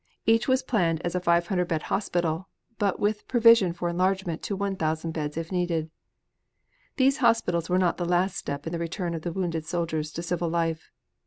Each was planned as a 500 bed hospital but with provision for enlargement to 1,000 beds if needed. These hospitals were not the last step in the return of the wounded soldiers to civil life.